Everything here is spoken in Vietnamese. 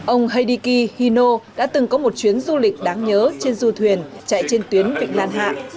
ông heidiki hino đã từng có một chuyến du lịch đáng nhớ trên du thuyền chạy trên tuyến vịnh lan hạ